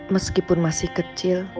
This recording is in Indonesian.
meskipun masih kecil